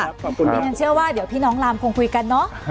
ยันเชื่อว่าเดี๋ยวพี่น้องรามคงคุยกันเนาะ